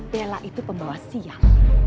bella itu pembawa sial